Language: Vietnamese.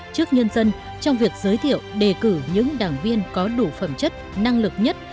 trước nhân dân trong việc giới thiệu đề cử những đảng viên có đủ phẩm chất năng lực nhất